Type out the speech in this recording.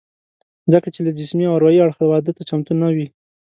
ځکه چې له جسمي او اروايي اړخه واده ته چمتو نه وي